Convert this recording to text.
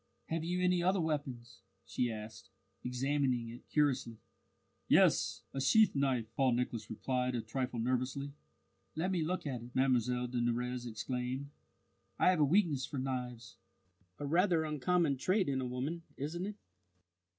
"Have you any other weapons?" she asked, examining it curiously. "Yes, a sheath knife," Paul Nicholas replied a trifle nervously. "Let me look at it," Mlle de Nurrez exclaimed. "I have a weakness for knives a rather uncommon trait in a woman, isn't it?"